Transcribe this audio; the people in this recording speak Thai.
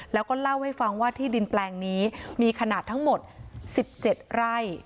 แล้วก็เล่าให้ฟังว่าที่ดินแปลงนี้มีขนาดทั้งหมด๑๗ไร่